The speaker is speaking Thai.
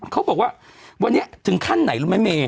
เขาบอกว่าวันนี้ถึงขั้นไหนรู้ไหมเมย